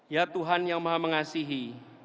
ya tuhan yang maha mengasihi